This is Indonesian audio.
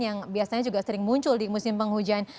yang biasanya juga sering muncul di musim penghujan